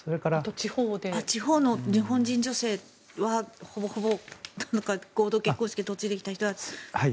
地方の日本人女性はほぼほぼ合同結婚式で嫁いできた人だというのは。